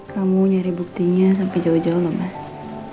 kamu nyari buktinya sampai jauh jauh nggak mas